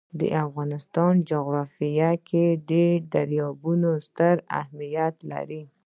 د افغانستان جغرافیه کې دریابونه ستر اهمیت لري.